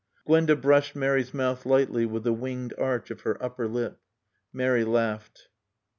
Gwenda brushed Mary's mouth lightly with the winged arch of her upper lip. Mary laughed.